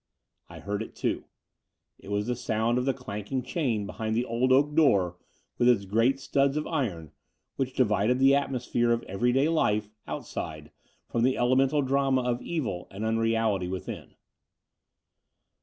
I heard it, too. It was the sound of the clanking chain behind the old oak door with its great studs of iron, which divided the atmosphere of everyday life outside from the elemental drama of evil and unreality within.